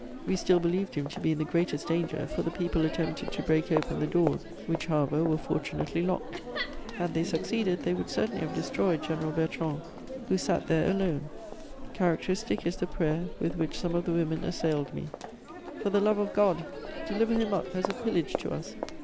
We still believed him to be in the greatest danger, for the people attempted to break open the doors, which, however, were fortunately locked. Had they succeeded, they would certainly have destroyed General Bertrand, who sat there alone.... Characteristic is the prayer with which some of the women assailed me: "'For the love of God, deliver him up as a pillage to us!